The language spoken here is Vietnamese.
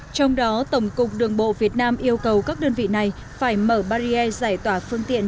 trong đó tổng cục đường bộ việt nam yêu cầu các đơn vị này phải mở barrier giải tỏa phương tiện